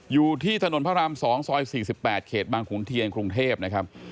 อยู่ที่ถนนพระราม๒ซอย๔๘เขตบางขุนเทียนกรุงเทพนะครับ